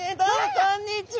こんにちは！